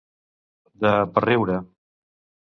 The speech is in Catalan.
De per riure.